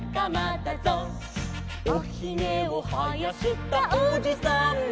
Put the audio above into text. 「おひげをはやしたおじさんも」